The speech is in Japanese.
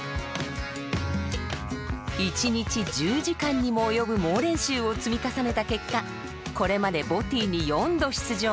一日１０時間にも及ぶ猛練習を積み重ねた結果これまでＢＯＴＹに４度出場。